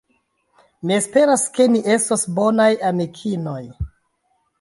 Mi esperas, ke ni estos bonaj amikinoj.